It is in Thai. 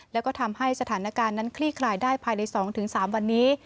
แล้วก็ทำให้สถานการณ์นั้นคลี่คลายได้ภายใน๒๓วันนี้